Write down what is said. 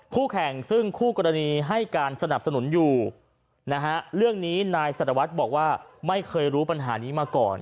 แข่งซึ่งคู่กรณีให้การสนับสนุนอยู่นะฮะเรื่องนี้นายสัตวรรษบอกว่าไม่เคยรู้ปัญหานี้มาก่อน